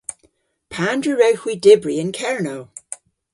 Pandr'a wrewgh hwi dybri yn Kernow?